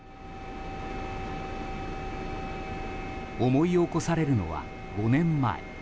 思い起こされるのは５年前。